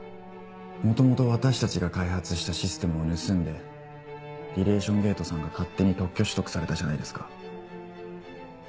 元々私たちが開発したシステムを盗んでリレーション・ゲートさんが勝手に特許取得されたじゃないですか。